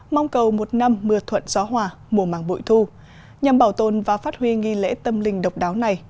mong cầu một năm mưa thuận gió hòa mùa màng bội thu nhằm bảo tồn và phát huy nghi lễ tâm linh độc đáo này